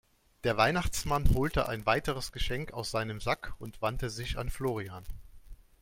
Der Weihnachtsmann holte ein weiteres Geschenk aus seinem Sack und wandte sich an Florian.